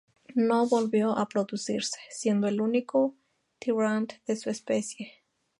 No volvió a producirse, siendo el único Tyrant de su especie.